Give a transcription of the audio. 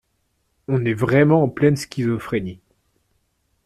On est vraiment en pleine schizophrénie.